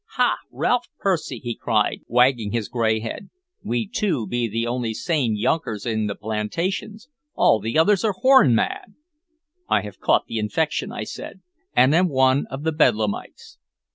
"Ha, Ralph Percy!" he cried, wagging his gray head, "we two be the only sane younkers in the plantations! All the others are horn mad!" "I have caught the infection," I said, "and am one of the bedlamites."